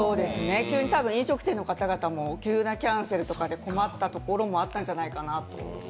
飲食店の方々も急なキャンセルで困ったところがあったんじゃないかなと。